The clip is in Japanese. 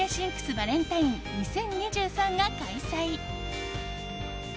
バレンタイン２０２３が開催。